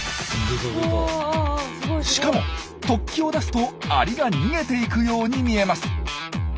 しかも突起を出すとアリが逃げていくように見えます。